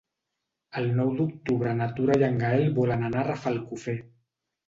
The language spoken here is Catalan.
El nou d'octubre na Tura i en Gaël volen anar a Rafelcofer.